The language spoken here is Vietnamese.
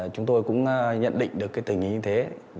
chúng tôi cũng nhận định được cái tình hình như thế